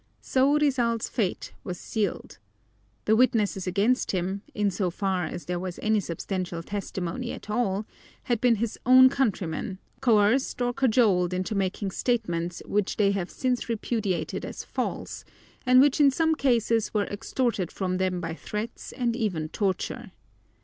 So Rizal's fate was sealed. The witnesses against him, in so far as there was any substantial testimony at all, had been his own countrymen, coerced or cajoled into making statements which they have since repudiated as false, and which in some cases were extorted from them by threats and even torture.